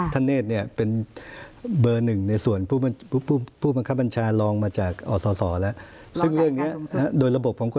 ทันนเจษเป็นเบอร์หนึ่งในส่วนผู้บังคับบัญชารองมาจากอซและโดยระบบของกฎหมายเนี่ย